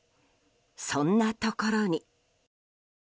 そんなところに。